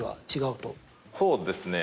そうですね